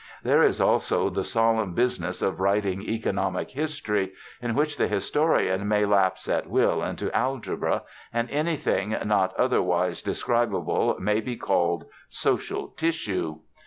There is also the solemn business of writing economic history, in which the historian may lapse at will into algebra, and anything not otherwise describable may be called "social tissue."